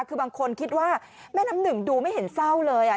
คือบางคนคิดว่าแม่น้ำหนึ่งดูไม่เห็นเศร้าเลยอ่ะ